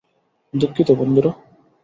দুঃখিত, বন্ধুরা।